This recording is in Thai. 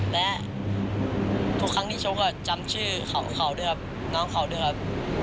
และทุกครั้งที่ชกก็จำชื่อของเขาด้วยครับน้องเขาด้วยครับ